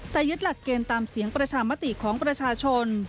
แต่ยึดหลักเกณฑ์ตามเสียงประชามติของประชาชน